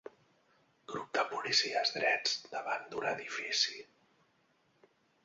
Grup de policies drets davant d'un edifici.